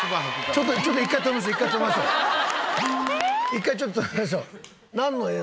一回ちょっと止めましょう。